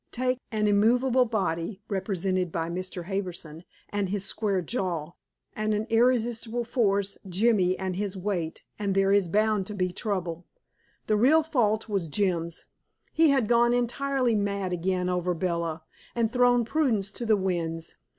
Take an immovable body, represented by Mr. Harbison and his square jaw, and an irresistible force, Jimmy and his weight, and there is bound to be trouble. The real fault was Jim's. He had gone entirely mad again over Bella, and thrown prudence to the winds.